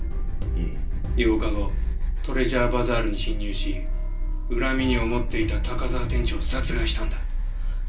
いい？８日後トレジャーバザールに侵入し恨みに思っていた高沢店長を殺害したんだ。